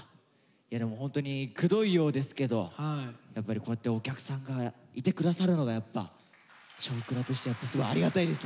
いやでもホントにくどいようですけどやっぱりこうやってお客さんがいて下さるのがやっぱ「少クラ」としてやっぱすごいありがたいです。